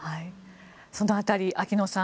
その辺り、秋野さん